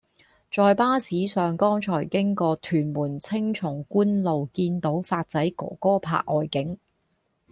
在巴士上剛才經過屯門青松觀路見到發仔哥哥拍外景